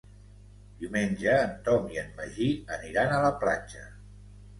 Diumenge en Tom i en Magí aniran a la platja.